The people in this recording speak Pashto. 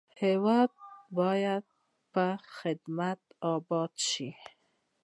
هېواد باید په خدمت اباد شي.